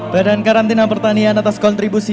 badan karantina pertanian atas kontribusi